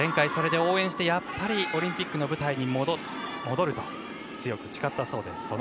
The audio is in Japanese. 前回、それで応援してやっぱりオリンピックの舞台に戻ると強く誓ったそうです。